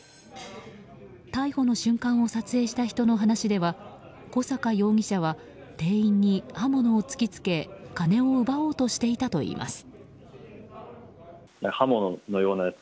逮捕の瞬間を撮影した人の話では小阪容疑者は店員に刃物を突き付け金を奪おうとしていたといいます。